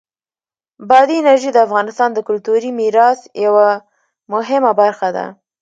بادي انرژي د افغانستان د کلتوری میراث یوه مهمه برخه ده.